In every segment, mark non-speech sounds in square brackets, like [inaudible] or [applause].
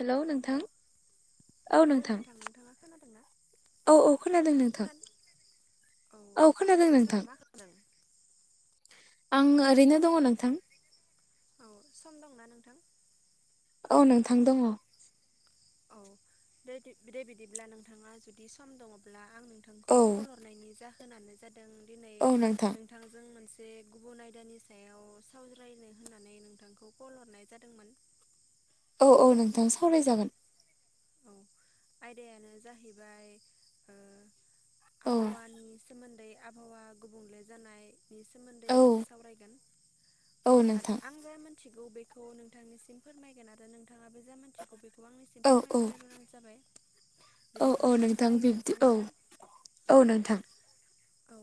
हेल' नोंथां हेलौ औ नोंथां। औ औ खोनादों नोंथां औ खोनादों नोंथां। मा खालामदों? आं ओरैनो दङ नोंथां। औ सम दंना नोंथां? औ नोंथां दङ। औ दे-देबिदिब्ला नोंथाङा जुदि सम दङब्ला आं नोंथांखौ कल हरनायनि जाहोनानो जादों दिनै औ नोंथां नोंथांजों मोनसे से गुबुन आयदानि सायाव सावज्रायनो होननानै नोंथांखौ कल हरनाय जादोंमोन [inaudible] औ औ नोंथां सावरायजागोन औ आयदायानो जाहैबाय औ आबहावानि सोमोन्दै आबहावा गुबुंले जानाय नि सोमोन्दै औ जों सावरायगोन औ नोंथां आं जा मिथिगौ बे खौ नोंथांनिसिम फोरमायगोन आरो नोंथाङा बे जा मानथिगौ बेखौ आंनिसिम औ औ फोरमायबायबानो जाबाय औ बिदिब्ला औ आं नोंथां बिबदि जागायग्रोनोसै औ नोंथां औ नोंथां औ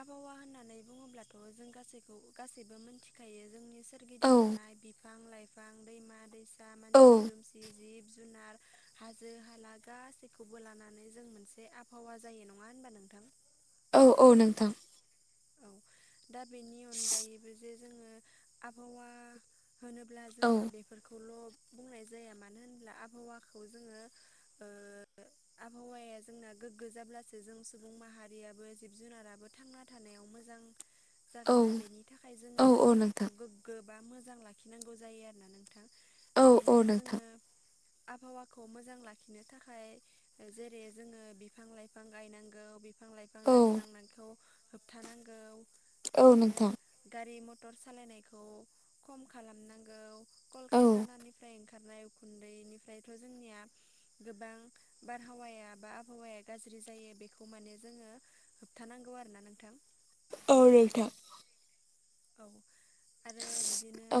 आबहावा होननानै बुङोब्लाथ' जों गासैखौ गासैबो मोनथिखायो जोंनि औ सोरगिदिं थानाय बिफां लाइफां दैमा दैसा औ मानसि दुमसि जिब जुन जुनार हाजो हाला गाैसैखौबो लानानै जों मोनसे आबहावा जायो नङा होनबा नोंथां औ औ नोंथां औ दा बे [inaudible] जोङो आबहावा होनोब्ला औ जोङो बेफोरखौल' बुंनाय जाया मानो होनब्ला आबहावाखौ जोङो आबहावाया जोंना गोग्गो जाब्लासो जों सुबुं माहारियाबो जिब जुनाराबो थांना थानायाव मोजां औ जागोना बेनि थाखाय जों औ औ माने बेखौ नोंथां गोग्गो बा मोजां लाखिनांगौ जायो आरोना नोंथां औ औ बिदिनो नोंथां जोङो आबहावाखौ मोजां लाखिनो थाखाय जेरै जोङो बिफां लाइफां गायनांगौ बिफां लाइफां औ दानस्रांनायखौ होबथानांगौ औ बिदिनो नोंथां गारि मथर मटर सालायनायखौ खम खालामनांगौ औ कलकारकानानिफ्रायं ओंखारनाय उखुन्दैनिफ्रायथ' जोंनिया गोबां बारहावाया बा आबहावाया गाज्रि जों बेखौ माने जों होबथानांगौ आरो ना औ नोंथां औ आरो बिदिनो औ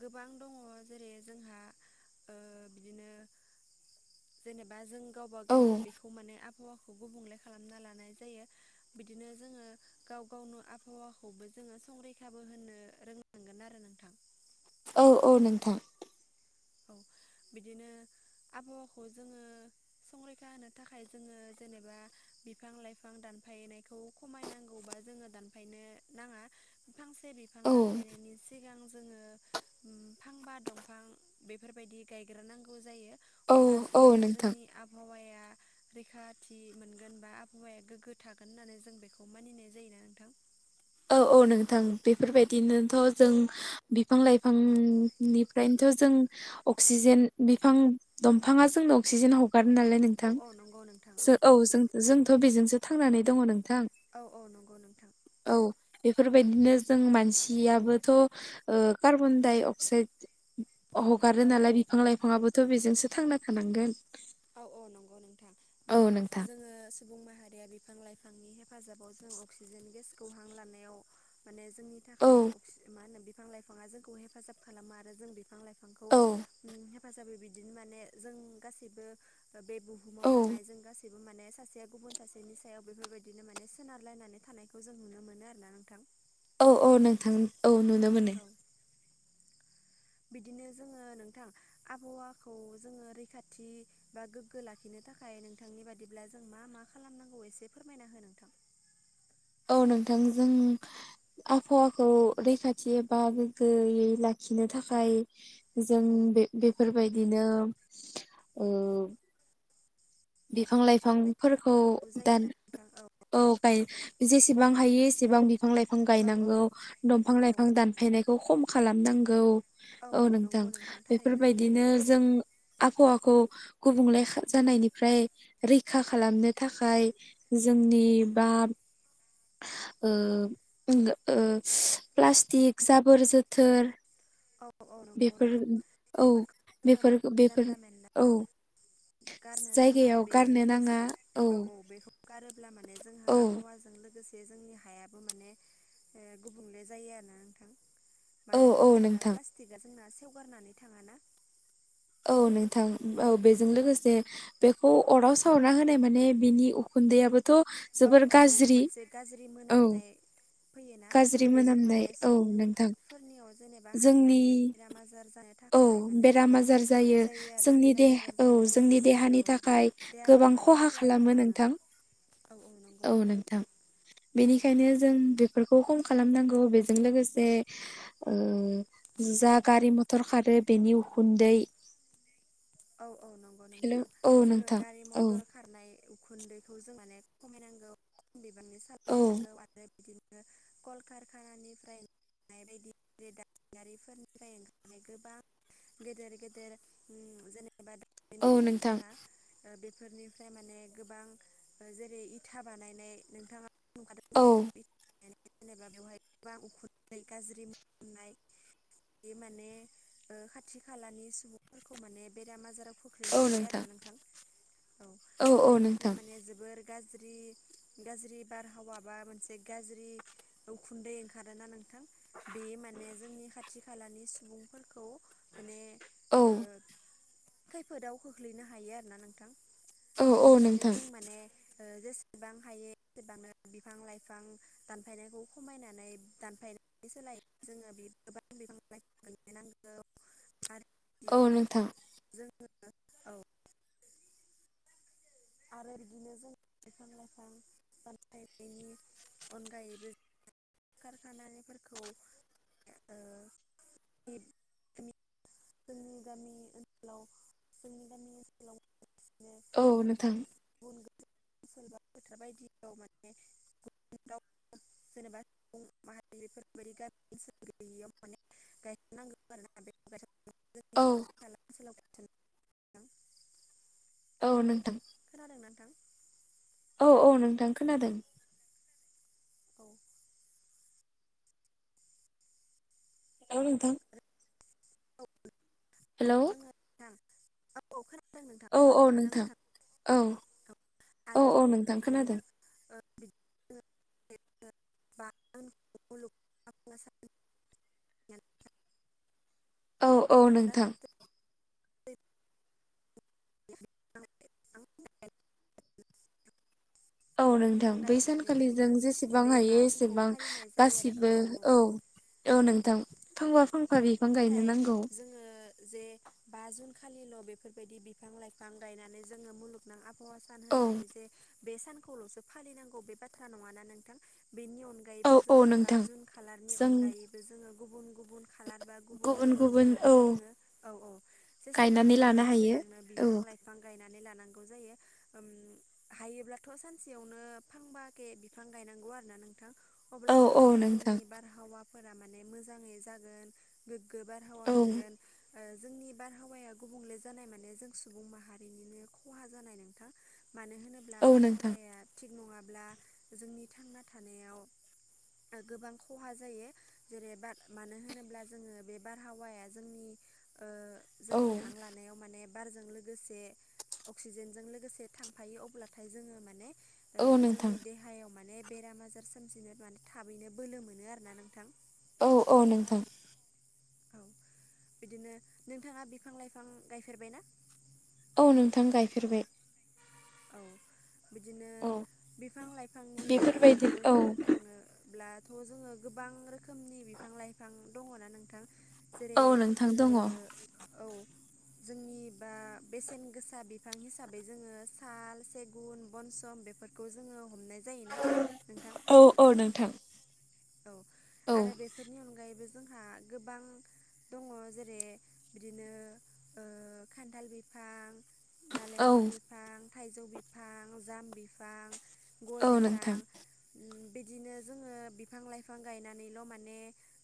गोबां दङ जेरै जोंहा बिदिनो जेनेबा जों गावबा गावनो औ बेखौ माने आबहावाखौ गुबुंले खालामना लानाय जायो बिदिनो जोङो गाव गावनो आबहावाखौबो जोङो संरैखाबो होनो रोंनांगोन आरो नोंथां औ औ नोंथां औ बिदिनो आबहावाखौ जोङो संरैखा होनो थाखाय जोङो जेनेबा बिफां लाइफां दान फायनायखौ खमायनांगौबा जोङो दानफायनो नाङा फांसे बिफां औ दानफायनायनि सिगां जोङो फांबा दंफां बेफोरबायदि गायग्रोनांगौ जायो औ अब्लासो औ माने नोंथां जोंनि आबहावाया रैखाथि मोनगोन बा आबहावाया गोग्गो थागोन होननानै जों बेखौ मानिनाय जायोना नोंथां औ औ नोंथां बेफोरबायदिनोथ' जों बिफां लाइफांनिफ्रायनो जों अक्सिजेन बिफां दंफाङा जोंनो अक्सिजेन हगार नालाय औ नोंथां औ नंगौ नोंथां औ जों जोंथ' बेजोंसो थांनानै दङ नोंथां औ औ नंगौ नोंथां औ बेफोरबायदिनो जों मानसियाबोथ' कार्बनडाइ अक्साइड हगारो औ औ नालाय बिफां लाइफाङाबोथ' बेजोंसो थांना थानांगोन औ औ नंगौ नोंथां औ माने नोंथां जोङो सुबुं माहारिया बिफां लाइफांनि हेफाजाबाव जों अक्सिजेन गेसखौहां लानायाव माने जोंनि औ थाखाय अक्सि मा होनो बिफां लाइफाङा जोंखौ हेफाजाब खालामो आरो जों बिफां लाइफां बिफांखौ औ हेफाजाब होयो बिदिनो माने जों गासैबो बे बुहुमाव औ थानाय जों गासै गासै बो माने सासेया गुबुन सासेनि सायाव बेफोर बायदिनो माने सोनारलायनानै थानायखौ जों नुनो मोनो आरो ना नोंथां औ औ नोंथां औ नुनो मोनो औ [inaudible] बिदिनो जोङो नोंथां आबहावाखौ जोङो रैखाथि बा गोग्गो लाखिनो नो थाखाय नोंथांनि बादिब्ला जों मा मा खालामनांगौ एसे फोरमायना हो नोंथां। औ नोंथां जों आबहावाखौ रैखाथि एबा गोग्गोयै लाखिनो थाखाय जों औ बिफां बे बेफोरबायदिनो ओ बिफां लाइफां लाइफांफोरखौ गायनांगौ दान जायोना नोंथां औ गाय जेसेबां हायो एसेबां बिफां लाइफां औ गायनांगौ औ दंफां औ लाइफां दानफायनाय खौ खम खालामनांगौ औ नोंथां बेफोरबायदिनो जों आबहावाखौ गुबुंले खा जानायनि फ्राय रैखा खालामनो थाखाय जोंनि बा ओ ओ प्लास्टिक जाबोर जोथोर औ औ नंगौ बेफोर नोंथां औ बेफोरखौ जोङो बेफोर माने बेफोर जानला मेनला औ गारनो नाङा जायगायाव बेजों गारनो नाङा लोगोसे औ औ बेखौ गारोब्ला माने जोंहा औ आबहावाजों लोगोसे जे जोंनि हायाबो माने ओ गुबुंले जायो आरोना नोंथां औ मानो औ होनोब्ला नोंथां प्लाटिक आ जोंना सेवगारनानै थाङा ना। औ नोंथां औ बेजों लोगोसे बेखौ अराव सावना होनाय माने बिनि उखुन्दैयाबो औ औ औ मोनसे गाज्रि औ मोनामनाय फैयोना गाज्रि बेजों मोनामनाय माने औ नोंथां सुबुंफोरनियाव जेनेबा जोंनि हाबनानै बेराम आजार जानाय औ बेराम आजार जायो आरोना जोंनि बेराम आजार देहा औ जानायाव जोंनि माने औ देहानि थाखाय गोबां खहा खालामो नोंथां। औ नोंथां। बेनिखायनो जों बेफोरखौ खम खालामनांगौ बेजों लोगोसे ओ जा गारि मथर खारो बेनि उखुन्दै औ औ नंगौ हेलौ नोंथां औ जोङो नोंथां गारि औ मथर खारनाय उखुन्दैखौ जों माने खमायनांगौ खम बिबांनि औ सालायनांगौ आरो बिदिनो कलकारखाना निफ्राय नाय बायदि दामारिफोरनिफ्राय ओंखारनाय गोबां गेदेर गेदेर ओ जेनेबा दारिमिन औ दङो नोंथां जोंहा ओ बे फोरनिफ्राय माने गोबां जेरै इथा बानायनाय नोंथाङा नुखादों औ जानांगौ जेनेबा बेवहाय गोबां उखुै गाज्रि मोनामनाय बे माने ओ खाथि खालानि सुबुंफोरखौ माने बेराम आजाराव खोख्लैनो हायो आरोना नोंथां औ औ बेनिफ्राय नोंथां माने जोबोर गाज्रि गाज्रि बारहावा बा मोनसे गाज्रि उखुन्दै ओंखारोना नों थां बे माने जोंनि खाथि खालानि सुबुंफोरखौ माने औ ओ खैफोदाव खोख्लैनो हायो आरो ना नोंथां। औ औ बेनिखायनो नोंथां जों माने ओ जेसेबां हायो एसेबांनो बिफां लाइफां दानफायनायखौ खमायनानै दानफाय सोलाय जोङो बे गोबां बिफां गाय नांगौ। आरो औ [unintelligible] नोंथां जोङो औ आरो बिदिनो जों बिफां लाइफां दानफायनायनि अनगायैबो खारखानानिफोरखौ ओ इब जोंनि गामि ओनसाव जोंनि गामि ओनसोलाव औ नोंथां। गोसो सोरबा फोथार बायदियाव माने गु उम दाव जेनेबा सुबुं माहारिफोरबायदि गामि सुबो गैयैयाव माने गायनांगौ आरोना बे गायसन औ। [inaudible] औ नोंथां। खोनादों नोंथां। औ औ नोंथां खोनादों। औ। औ नोंथां। [unintelligible] हेलौ। जोङो नोंथां औ खोना औ औ नोंथां औ औ औ आरो औ जोंहा नोंथां बिदिनो खोनादों। [unintelligible] [unintelligible] औ औ नोंथां। [inaudible] औ नोंथां बिफां बै गायनानै सानखालि जों जोङो जेसेबां बे बा हायो जुनखौ एसेबां फालिनाय जायो आरो औ औ औ। औ नोंथां फांफा फांफा बिफां नाथाय गायनो नांगौ जोङो जे बा जुन खालिल' बेफोरबायदि बिफां लाइफां गायनानै जोङो मुलुगनां आबहावा सान औ होननानै जे बे सानखौल'सो फालिनांगौ बे बाथ्रा नंङाना नोंथां। बेनि औ अनगायैबो औ जोङो बा नोंथां जुन खालारनि जों अनगायैबो जोङो गुबुन गुबुन खालार बा गुबुन गुबु बुन दिनावबो जोङो औ औ जेसेबां गायनानै हायो लानो एसेबांनो औ बिफां लाइफां गायना नै लानांगौ जायो उम हायोब्लाथ' सान सेयावनो फांबा खे बिफां गायनांगौ आरोना नोंथां औ अब्लासो औ माने नोंथां जोंनि बारहावा फोरा माने मोजाङै जागोन गोग्गो बारहावा औ मोनगोन। ओ जोंनि बारहावाया गुबुंले जानाय माने जों सुबुं माहारिनिनो खहा जानाय नोंथां। मानो होनोब्ला औ नोंथां बारहावाया थिग नंङाब्ला जोंनि थांना थानायाव गोबां खहा जायो जेरै‌ बा मानो होनोब्ला जोङो बे बारहावाया जोंनि ओ औ जोंनि हां लानायाव माने बारजों लोगोसे अक्सिजेनजों लोगोसे थांफायो अब्लाथाय जोङो माने ओ औ नोंथां जोंनि देहायाव माने बेराम आजार सोमजिनो माने थाबैनो बोलो मोनो आरो ना नोंथां। औ औ नोंथां। औ बिदिनो नोंथाङा बिफां लाइफां गायफेरबाय ना? औ नोंथां गायफेरबाय। औ बिदिनो औ बिफां लाइफांनि बेफोरबायदि बेलायावबो औ होनो थांङो ब्लाथ' जोंङो गोबां रोखोमनि बिफां लाइफां दंङ ना नोंथां? जेरै औ नोंथां ओ दङ औ औ। जोंनि बा बेसेन गोसा बिफां हिसाबै जोंङो साल सेगुन बनसम बेफोरखौ जोंङो हमनाय जायोना नोंथां? औ नोंथां औ औ आरो बेफोरनि अनगायैबो जोंहा गोबां दंङ जेरै बिदिनो ओ खान्थाल बिफां औ नालेंखर बिफां थाइजौ बिफां जाम बिफां। गय औ बिफां नोंथां उम बिदिनो जोंङो बिफां लाइफां गायनानैल' माने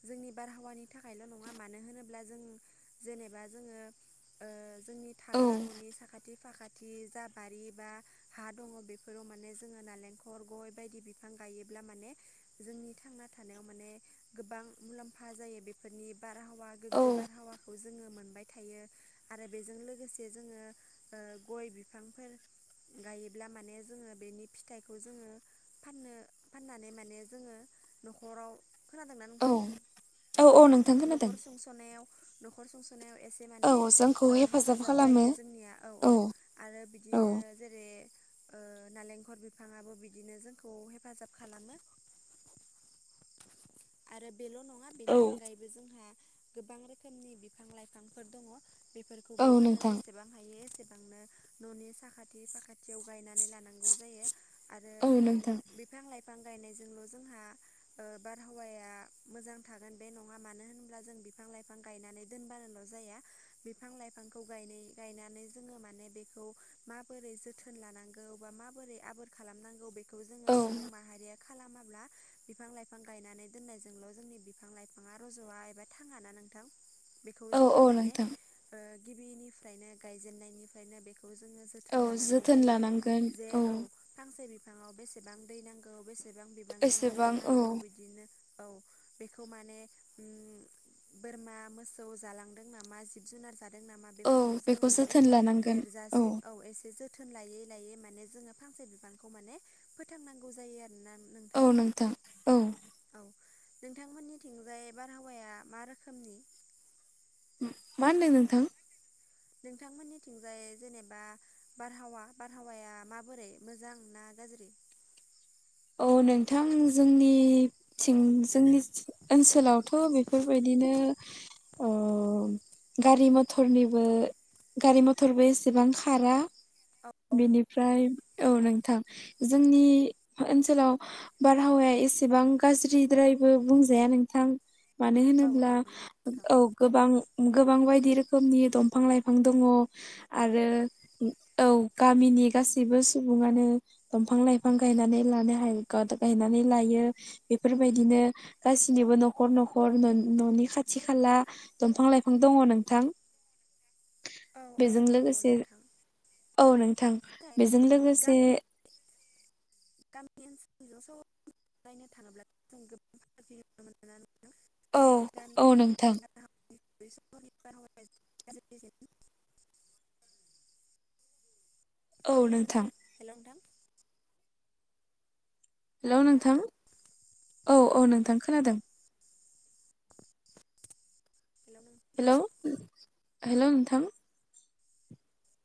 जोंनि बारहावानि थाखायल' नंङा मानो होनोब्ला जों जेनेबा जोंङो ओ जोंनि औ थाग्रा न'नि साखाथि फाखा थि जा बारि बा हा दंङ बेफोराव माने जोंङो नालेंखर गय बायदि बिफां गायो ब्ला माने जोंनि थांना थानायाव माने गोबां मुलाम्फा जायो बेफोरनि बारहावा औ गोग्गो बारहावाखौ जोङो मोन बाय थायो आरो बेजों लोगोसे जोंङो ओ गय बिफांफोर गायोब्ला माने जोंङो बेनि फिथाइखौ जोंङो फाननो फाननानै माने जोङो न'खराव खोनादोंना औ नोंथां औ औ नोंथां खोनादों न'खर सुंसनायाव न'खर सं नायाव एसे माने औ जोंखौ ओ हेफाजाब खालामो जायो जोंनिया औ औ आरो औ बिदिनो जेरै ओ नालेंखर बिफाङाबो बिदिनो जोंखौ हेफाजाब खालामो। आरो बेल' नङा बेनि औ अनगायैबो जोंहा गोबां रोखोमनि बिफां लाइफांफोर दंङ बेफोरखौबो औ जोङो नोंथां जेसेबां हायो एसेबांनो न'नि साखाथि फाखाथियाव गायनानै लानांगौ जायो। आरो औ उम नोंथां बिफां लाइफां गायनायजोंल' जोंहा ओ बारहावाया मोजां थागोन बे नंङा मानो होनोब्ला जों बिफां लाइफां गायनानै दोनबा दोनबाल' जाया बिफां लाइफांखौ गाय गायनानै जोङो माने बेखौ माबोरै जो थोन लानांगौ बा माबोरै आबोर खालामनांगौ बेखौ जोङो औ सुबुं माहारिया खालामाब्ला बिफां लाइफां गायनानै दोननायजोंल' जोंनि बिफां लाइफाङा रज'आ एबा थाङा ना नोंथां? बेखौ औ जोङो औ माने नोंथां गिबिनिफ्रायनो गायजेननायनिफ्रायनो बे खौ जोंङो औ जोथोन लानांगौ जोथोन जायो लानांगोन जे औ फांसे बिफां बिफांआव बेसेबां दै नांगौ बेसेबां बिबांनि एसेबां हासार औ नांगौ बिदिनो औ बेखौ माने उम बोरमा मोसौ जालांदों नामा जिब जुनार जा जादों नामा औ बेफोरखौ जोङो बेखौ माने जोथोन लानांगोन देरजासे औ एसे जोथोन लायो लायो माने जोङो फांसे बिबांखौ माने फोथांनांगौ जायो आरोना नोंथां। औ औ नोंथांमोननिथिंजाय बारहावाया मा रोखोमनि? मा होनदों नोंथां? नोंथांमोननिथिंजाय जेनेबा बारहावा बारहावाया माबोरै मोजां ना गाज्रि? औ नोंथां जोंनिथिं जोंनि ओनसोलावथ' बेफोरबायदि बिदिनो ओ गारि मथरनिबो गारि मथरबो एसेबां खारा औ औ बेनिफ्राय औ नोंथां जोंनि ओनसोलाव बारहावाया एसेबां गाज्रिद्रायबो बुंजाया नोंथां। मानो नोंथां औ होनोब्ला औ नंगौ नोंथां औ गोबां गोबां बायदि रोखोमनि दंफां लाइफां दङ औ आरो औ गामिनि गासैबो सुबुङानो दंफां लाइफां गायनानै लानो हायो गायनानै लायो बेफोरबायदिनो गासिनिबो न'खर न'खर न'नि खाथि खाला दंफां लाइफां दङ नोंथां। [inaudible] औ औ बेजों नंगौ लोगोसे नोंथां औ नोंथां। नाथाय बेजों लोगोसे गामि गामि ओनसोलजों सलायनो थाङोब्ला जों गोबांनो मोनो। औ औ नोंथां [inaudible] [unintelligible] औ नोंथां। हेल' नोंथां। हेल' नोंथां औ औ नोंथां खोनादों। हेल' नोंथां हेल' हेल' नोंथां।